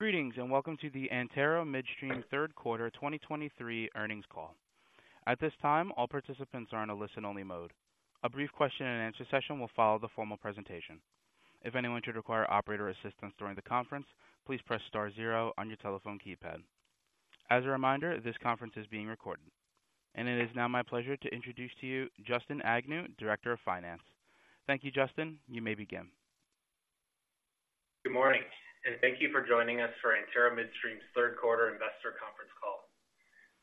Greetings, and welcome to the Antero Midstream third quarter 2023 earnings call. At this time, all participants are in a listen-only mode. A brief question and answer session will follow the formal presentation. If anyone should require operator assistance during the conference, please press star zero on your telephone keypad. As a reminder, this conference is being recorded. It is now my pleasure to introduce to you Justin Agnew, Director of Finance. Thank you, Justin. You may begin. Good morning, and thank you for joining us for Antero Midstream's third quarter investor conference call.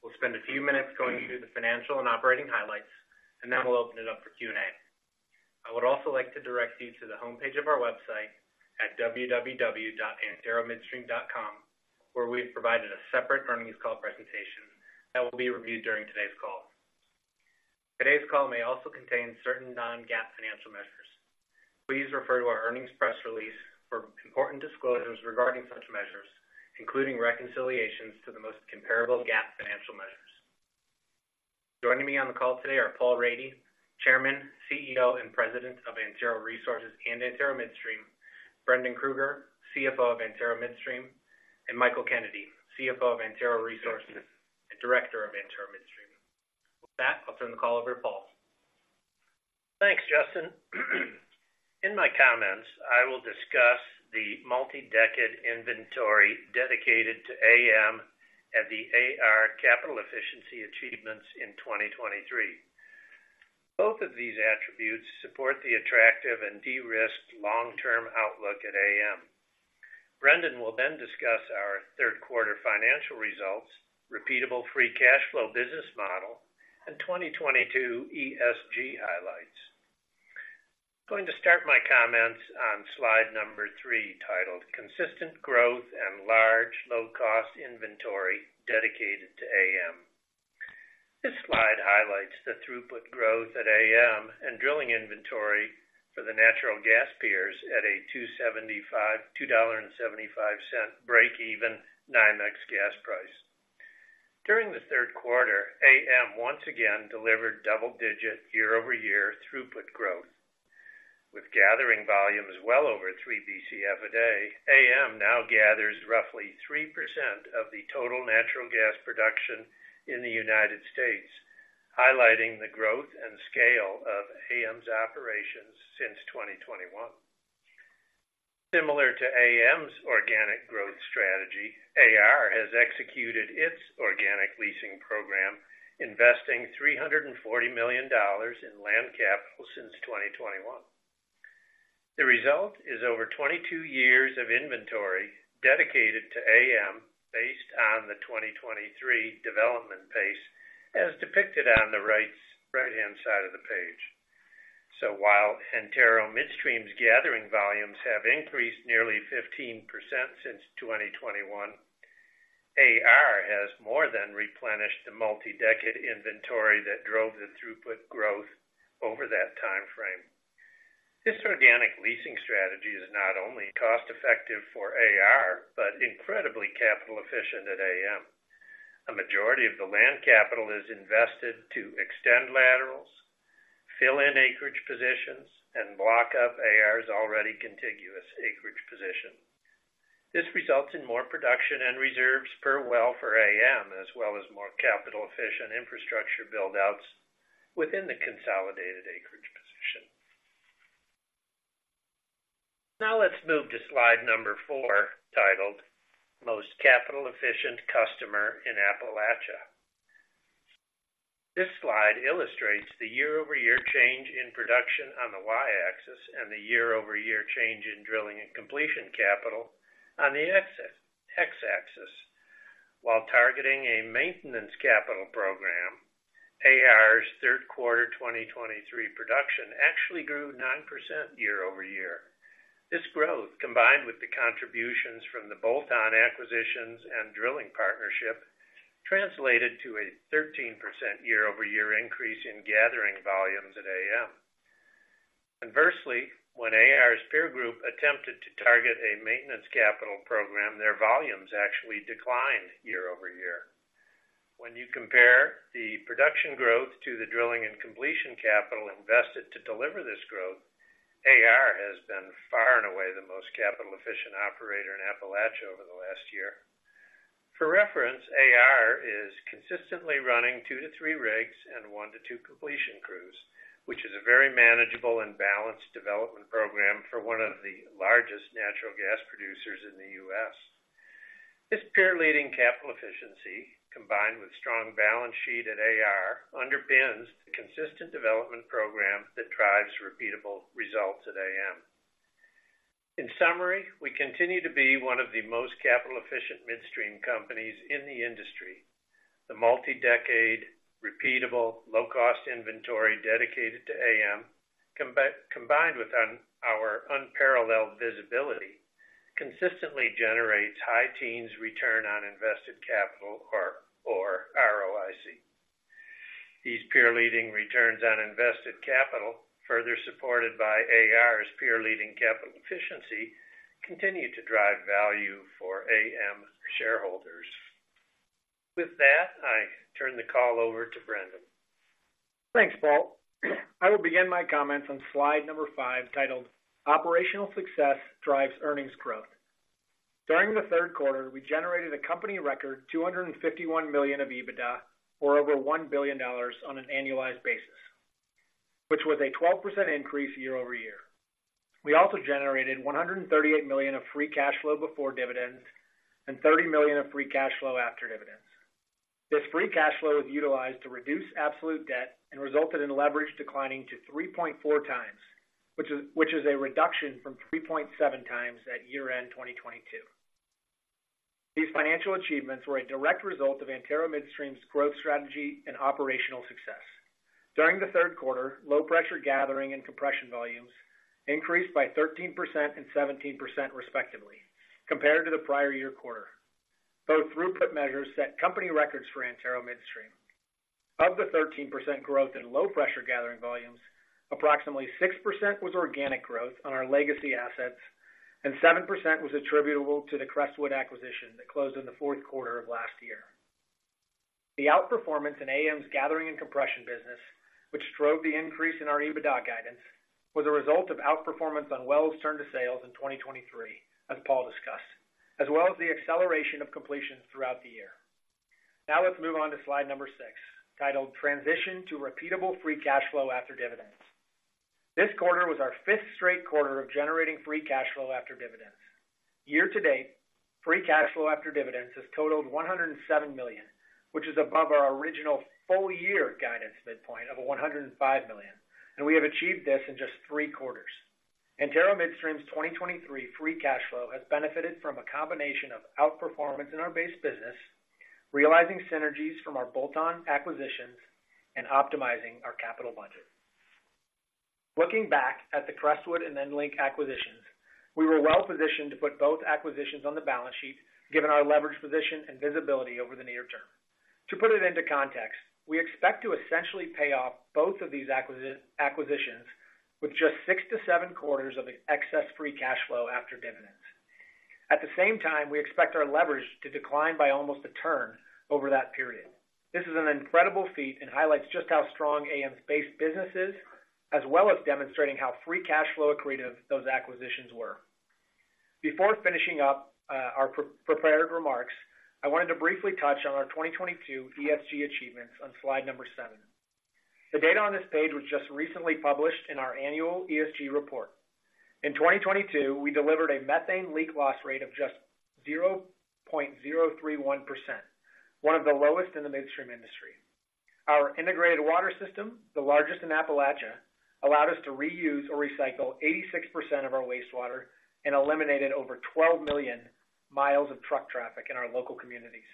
We'll spend a few minutes going through the financial and operating highlights, and then we'll open it up for Q&A. I would also like to direct you to the homepage of our website at www.anteromidstream.com, where we've provided a separate earnings call presentation that will be reviewed during today's call. Today's call may also contain certain non-GAAP financial measures. Please refer to our earnings press release for important disclosures regarding such measures, including reconciliations to the most comparable GAAP financial measures. Joining me on the call today are Paul Rady, Chairman, CEO, and President of Antero Resources and Antero Midstream; Brendan Kruger, CFO of Antero Midstream; and Michael Kennedy, CFO of Antero Resources and Director of Antero Midstream. With that, I'll turn the call over to Paul. Thanks, Justin. In my comments, I will discuss the multi-decade inventory dedicated to AM and the AR capital efficiency achievements in 2023. Both of these attributes support the attractive and de-risked long-term outlook at AM. Brendan will then discuss our third quarter financial results, repeatable free cash flow business model, and 2022 ESG highlights. I'm going to start my comments on slide number 3, titled "Consistent Growth and Large Low-Cost Inventory Dedicated to AM." This slide highlights the throughput growth at AM and drilling inventory for the natural gas peers at a $2.75 breakeven NYMEX gas price. During the third quarter, AM once again delivered double-digit year-over-year throughput growth. With gathering volumes well over 3 Bcf a day, AM now gathers roughly 3% of the total natural gas production in the United States, highlighting the growth and scale of AM's operations since 2021. Similar to AM's organic growth strategy, AR has executed its organic leasing program, investing $340 million in land capital since 2021. The result is over 22 years of inventory dedicated to AM based on the 2023 development pace, as depicted on the right-hand side of the page. So while Antero Midstream's gathering volumes have increased nearly 15% since 2021, AR has more than replenished the multi-decade inventory that drove the throughput growth over that timeframe. This organic leasing strategy is not only cost-effective for AR, but incredibly capital efficient at AM. A majority of the land capital is invested to extend laterals, fill in acreage positions, and block up AR's already contiguous acreage position. This results in more production and reserves per well for AM, as well as more capital-efficient infrastructure buildouts within the consolidated acreage position. Now let's move to slide number 4, titled, "Most Capital Efficient Customer in Appalachia." This slide illustrates the year-over-year change in production on the Y-axis and the year-over-year change in drilling and completion capital on the X-axis. While targeting a maintenance capital program, AR's third quarter 2023 production actually grew 9% year-over-year. This growth, combined with the contributions from the bolt-on acquisitions and drilling partnership, translated to a 13% year-over-year increase in gathering volumes at AM. Inversely, when AR's peer group attempted to target a maintenance capital program, their volumes actually declined year-over-year. When you compare the production growth to the drilling and completion capital invested to deliver this growth, AR has been far and away the most capital-efficient operator in Appalachia over the last year. For reference, AR is consistently running 2-3 rigs and 1-2 completion crews, which is a very manageable and balanced development program for one of the largest natural gas producers in the U.S. This peer-leading capital efficiency, combined with strong balance sheet at AR, underpins the consistent development program that drives repeatable results at AM. In summary, we continue to be one of the most capital-efficient midstream companies in the industry. The multi-decade, repeatable, low-cost inventory dedicated to AM, combined with our unparalleled visibility, consistently generates high teens return on invested capital or ROIC. These peer-leading returns on invested capital, further supported by AR's peer-leading capital efficiency, continue to drive value for AM shareholders. With that, I turn the call over to Brendan. Thanks, Paul. I will begin my comments on slide number 5, titled: Operational Success Drives Earnings Growth. During the third quarter, we generated a company record $251 million of EBITDA, or over $1 billion on an annualized basis, which was a 12% increase year-over-year. We also generated $138 million of free cash flow before dividends and $30 million of free cash flow after dividends. This free cash flow was utilized to reduce absolute debt and resulted in leverage declining to 3.4x, which is a reduction from 3.7x at year-end 2022. These financial achievements were a direct result of Antero Midstream's growth strategy and operational success. During the third quarter, low pressure gathering and compression volumes increased by 13% and 17%, respectively, compared to the prior year quarter. Both throughput measures set company records for Antero Midstream. Of the 13% growth in low pressure gathering volumes, approximately 6% was organic growth on our legacy assets, and 7% was attributable to the Crestwood acquisition that closed in the fourth quarter of last year. The outperformance in AM's gathering and compression business, which drove the increase in our EBITDA guidance, was a result of outperformance on wells turned to sales in 2023, as Paul discussed, as well as the acceleration of completions throughout the year. Now let's move on to slide number six, titled: Transition to Repeatable Free Cash Flow after Dividends. This quarter was our fifth straight quarter of generating free cash flow after dividends. Year-to-date, free cash flow after dividends has totaled $107 million, which is above our original full year guidance midpoint of $105 million, and we have achieved this in just three quarters. Antero Midstream's 2023 free cash flow has benefited from a combination of outperformance in our base business, realizing synergies from our bolt-on acquisitions, and optimizing our capital budget. Looking back at the Crestwood and EnLink acquisitions, we were well positioned to put both acquisitions on the balance sheet, given our leverage position and visibility over the near term. To put it into context, we expect to essentially pay off both of these acquisitions with just six to seven quarters of excess free cash flow after dividends. At the same time, we expect our leverage to decline by almost a term over that period. This is an incredible feat and highlights just how strong AM's base business is, as well as demonstrating how free cash flow accretive those acquisitions were. Before finishing up, our prepared remarks, I wanted to briefly touch on our 2022 ESG achievements on slide number 7. The data on this page was just recently published in our annual ESG report. In 2022, we delivered a methane leak loss rate of just 0.031%, one of the lowest in the midstream industry. Our integrated water system, the largest in Appalachia, allowed us to reuse or recycle 86% of our wastewater and eliminated over 12 million miles of truck traffic in our local communities.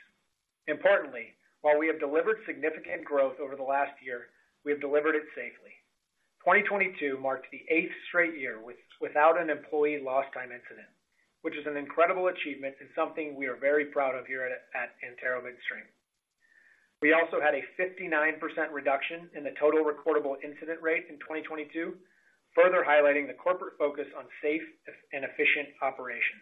Importantly, while we have delivered significant growth over the last year, we have delivered it safely. 2022 marked the eighth straight year without an employee lost time incident, which is an incredible achievement and something we are very proud of here at Antero Midstream. We also had a 59% reduction in the total recordable incident rate in 2022, further highlighting the corporate focus on safe and efficient operations.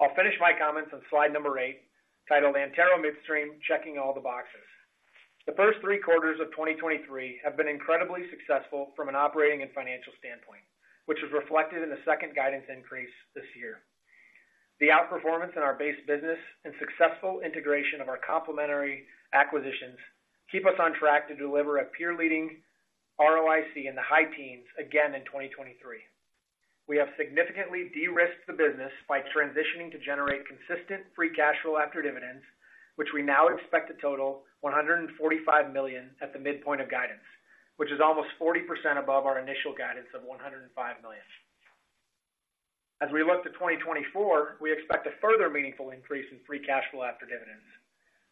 I'll finish my comments on slide number eight, titled: Antero Midstream, Checking All the Boxes. The first three quarters of 2023 have been incredibly successful from an operating and financial standpoint, which is reflected in the second guidance increase this year. The outperformance in our base business and successful integration of our complementary acquisitions keep us on track to deliver a peer-leading ROIC in the high teens again in 2023. We have significantly de-risked the business by transitioning to generate consistent free cash flow after dividends, which we now expect to total $145 million at the midpoint of guidance, which is almost 40% above our initial guidance of $105 million. As we look to 2024, we expect a further meaningful increase in free cash flow after dividends.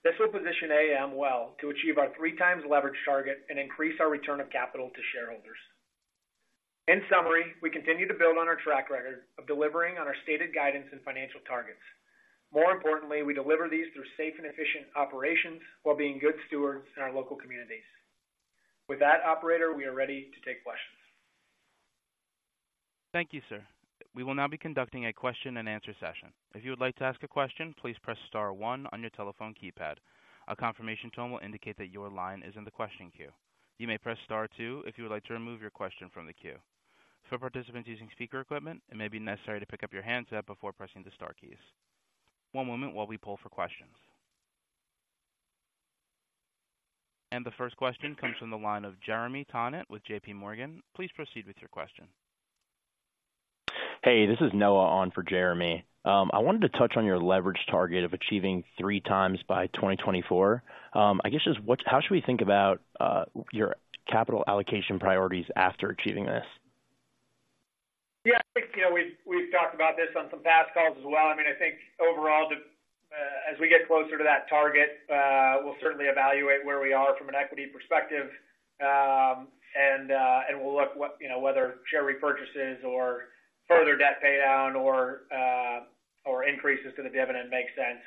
This will position AM well to achieve our 3x leverage target and increase our return of capital to shareholders. In summary, we continue to build on our track record of delivering on our stated guidance and financial targets. More importantly, we deliver these through safe and efficient operations while being good stewards in our local communities. With that, operator, we are ready to take questions. Thank you, sir. We will now be conducting a question-and-answer session. If you would like to ask a question, please press star one on your telephone keypad. A confirmation tone will indicate that your line is in the question queue. You may press star two if you would like to remove your question from the queue. For participants using speaker equipment, it may be necessary to pick up your handset before pressing the star keys. One moment while we pull for questions. And the first question comes from the line of Jeremy Tonet at J.P. Morgan. Please proceed with your question. Hey, this is Noah on for Jeremy. I wanted to touch on your leverage target of achieving 3 times by 2024. I guess, just what-- how should we think about, your capital allocation priorities after achieving this? Yeah, I think, you know, we've talked about this on some past calls as well. I mean, I think overall, the, as we get closer to that target, we'll certainly evaluate where we are from an equity perspective. And we'll look what, you know, whether share repurchases or further debt paydown or, or increases to the dividend make sense.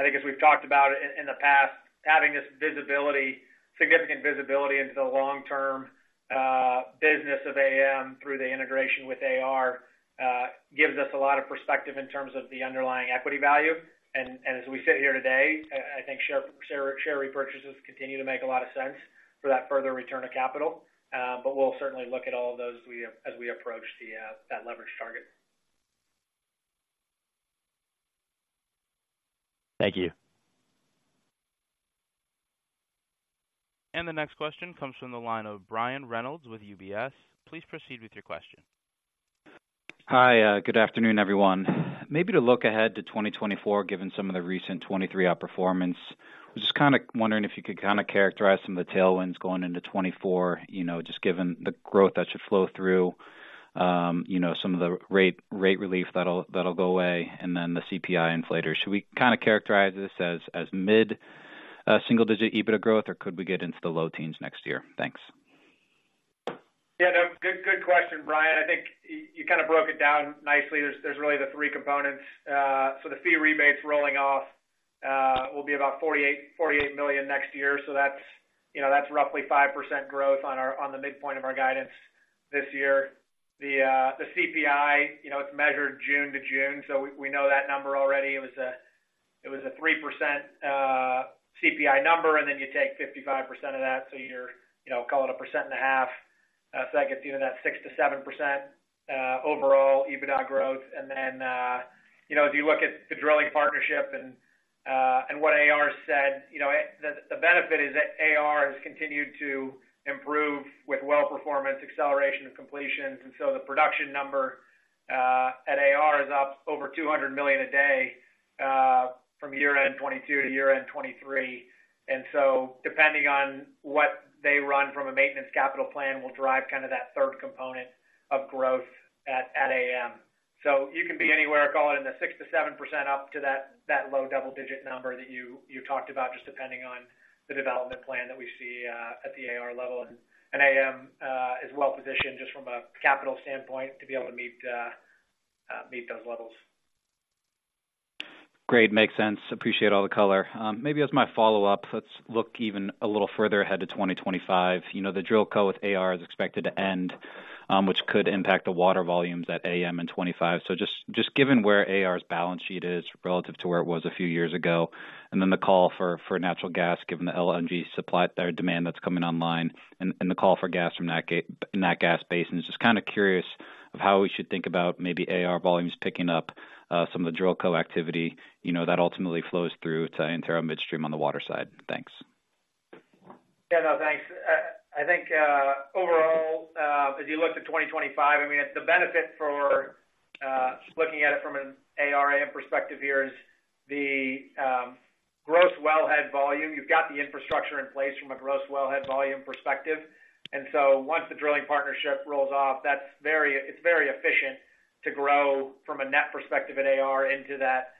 I think as we've talked about in the past, having this visibility, significant visibility into the long-term, business of AM through the integration with AR, gives us a lot of perspective in terms of the underlying equity value. And as we sit here today, I think share repurchases continue to make a lot of sense for that further return of capital. But we'll certainly look at all of those as we approach that leverage target. Thank you. The next question comes from the line of Brian Reynolds with UBS. Please proceed with your question. Hi, good afternoon, everyone. Maybe to look ahead to 2024, given some of the recent 2023 outperformance. I was just kind of wondering if you could kind of characterize some of the tailwinds going into 2024, you know, just given the growth that should flow through, you know, some of the rate relief that'll go away, and then the CPI inflator. Should we kind of characterize this as mid single-digit EBITDA growth, or could we get into the low teens next year? Thanks. Yeah, no, good, good question, Brian. I think you kind of broke it down nicely. There's really the three components. So the fee rebates rolling off will be about $48 million next year. So that's, you know, that's roughly 5% growth on our, on the midpoint of our guidance this year. The CPI, you know, it's measured June to June, so we know that number already. It was a 3% CPI number, and then you take 55% of that, so you're... You know, call it 1.5%. So that gets you to that 6%-7% overall EBITDA growth. If you look at the drilling partnership and what AR said, the benefit is that AR has continued to improve with well performance, acceleration, and completions. The production number at AR is up over 200 million a day from year-end 2022 to year-end 2023. Depending on what they run from a maintenance capital plan, that will drive kind of that third component of growth at AM. You can be anywhere, call it in the 6%-7% range, up to that low double-digit number that you talked about, just depending on the development plan that we see at the AR level. AM is well positioned, just from a capital standpoint, to be able to meet those levels. Great. Makes sense. Appreciate all the color. Maybe as my follow-up, let's look even a little further ahead to 2025. You know, the DrillCo with AR is expected to end, which could impact the water volumes at AM in 2025. So just, just given where AR's balance sheet is relative to where it was a few years ago, and then the call for, for natural gas, given the LNG supply or demand that's coming online, and, and the call for gas from that gas in that gas basin. Just kind of curious of how we should think about maybe AR volumes picking up, some of the DrillCo activity, you know, that ultimately flows through to Antero Midstream on the water side. Thanks. Yeah, no, thanks. I think overall, as you look to 2025, I mean, the benefit for looking at it from an AR AM perspective here is the gross wellhead volume. You've got the infrastructure in place from a gross wellhead volume perspective. And so once the drilling partnership rolls off, that's very efficient to grow from a net perspective at AR into that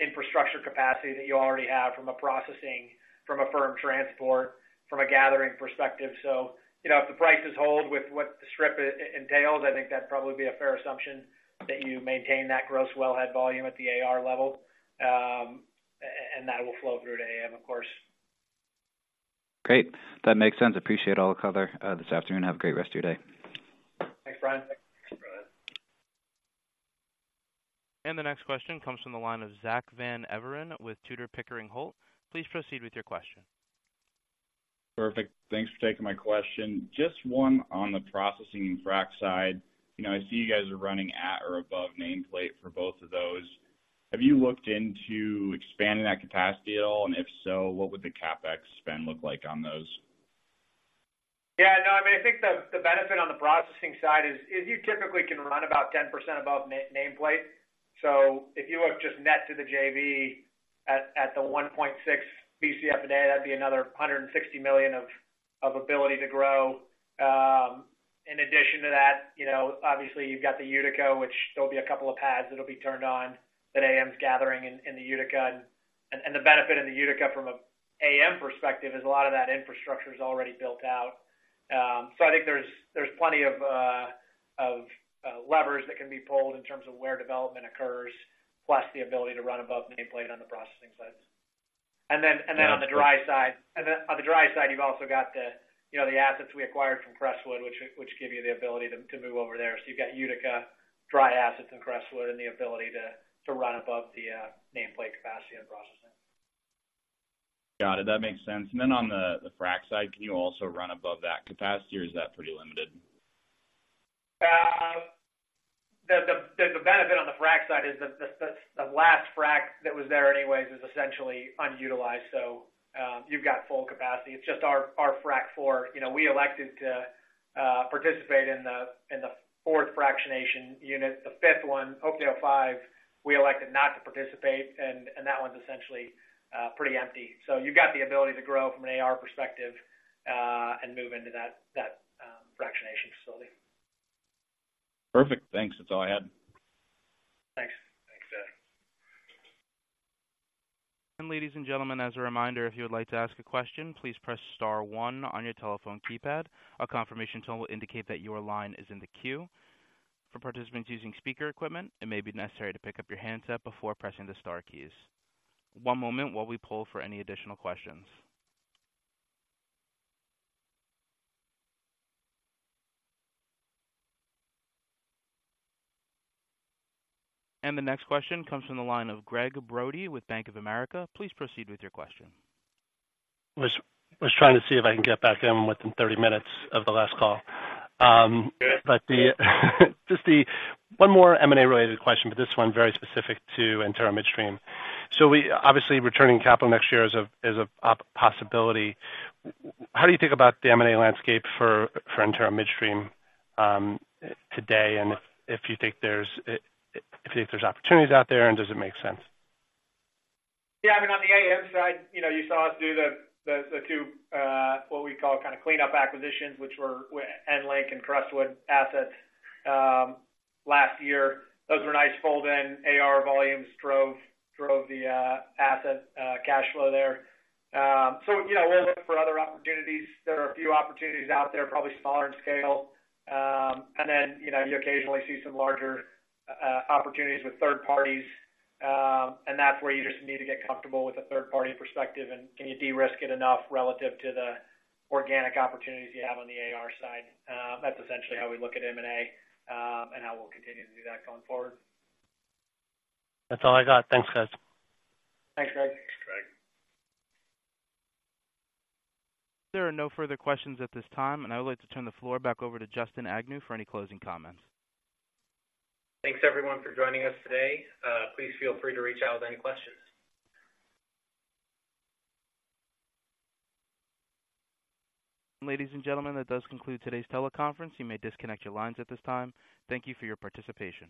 infrastructure capacity that you already have from a processing, from a firm transport, from a gathering perspective. So, you know, if the prices hold with what the strip entails, I think that'd probably be a fair assumption that you maintain that gross wellhead volume at the AR level. And that will flow through to AM, of course. Great. That makes sense. Appreciate all the color, this afternoon. Have a great rest of your day. Thanks, Brian. The next question comes from the line of Zack Van Everen with Tudor, Pickering, Holt. Please proceed with your question. Perfect. Thanks for taking my question. Just one on the processing and frac side. You know, I see you guys are running at or above nameplate for both of those. Have you looked into expanding that capacity at all? And if so, what would the CapEx spend look like on those? Yeah, no, I mean, I think the benefit on the processing side is you typically can run about 10% above nameplate. So if you look just net to the JV at the 1.6 Bcf a day, that'd be another $160 million of ability to grow. In addition to that, you know, obviously, you've got the Utica, which there'll be a couple of pads that'll be turned on, that AM's gathering in the Utica. And the benefit in the Utica from a AM perspective is a lot of that infrastructure is already built out. So I think there's plenty of levers that can be pulled in terms of where development occurs, plus the ability to run above nameplate on the processing sites. And then on the dry side, you've also got the, you know, the assets we acquired from Crestwood, which give you the ability to move over there. So you've got Utica, dry assets in Crestwood, and the ability to run above the nameplate capacity on processing. Got it. That makes sense. And then on the frack side, can you also run above that capacity, or is that pretty limited? The benefit on the frack side is the last frack that was there anyways, is essentially unutilized, so you've got full capacity. It's just our frack four. You know, we elected to participate in the fourth fractionation unit. The fifth one, Hopedale Five, we elected not to participate, and that one's essentially pretty empty. So you've got the ability to grow from an AR perspective, and move into that fractionation facility. Perfect. Thanks. That's all I had. Thanks. Thanks, Zack. And ladies and gentlemen, as a reminder, if you would like to ask a question, please press star one on your telephone keypad. A confirmation tone will indicate that your line is in the queue. For participants using speaker equipment, it may be necessary to pick up your handset before pressing the star keys. One moment while we pull for any additional questions. And the next question comes from the line of Gregg Brody with Bank of America. Please proceed with your question. Was trying to see if I can get back in within 30 minutes of the last call. The, just the... One more M&A related question, but this one very specific to Antero Midstream. We obviously, returning capital next year is a, is a possibility. How do you think about the M&A landscape for, for Antero Midstream today, and if you think there's, if you think there's opportunities out there, and does it make sense? Yeah, I mean, on the AM side, you know, you saw us do the, the, the two, what we call kind of cleanup acquisitions, which were EnLink and Crestwood assets, last year. Those were nice fold in AR volumes, drove, drove the, asset, cash flow there. So, you know, we're looking for other opportunities. There are a few opportunities out there, probably smaller in scale. And then, you know, you occasionally see some larger, opportunities with third parties, and that's where you just need to get comfortable with the third-party perspective, and can you de-risk it enough relative to the organic opportunities you have on the AR side? That's essentially how we look at M&A, and how we'll continue to do that going forward. That's all I got. Thanks, guys. Thanks, Gregg. Thanks, Gregg. There are no further questions at this time, and I would like to turn the floor back over to Justin Agnew for any closing comments. Thanks, everyone, for joining us today. Please feel free to reach out with any questions. Ladies and gentlemen, that does conclude today's teleconference. You may disconnect your lines at this time. Thank you for your participation.